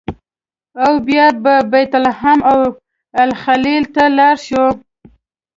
او بیا به بیت لحم او الخلیل ته لاړ شو.